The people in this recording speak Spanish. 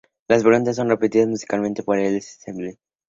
Las preguntas son repetidas musicalmente por el ensemble.